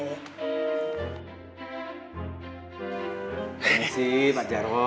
makasih pak jarwo